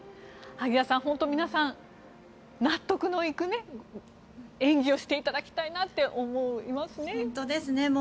萩谷さん、本当に皆さん納得のいく演技をしていただきたいなって思いますね。